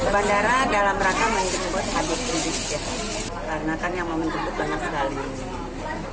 bandara dalam rata menjemput rizik sihab karena kan yang mau menjemput banyak sekali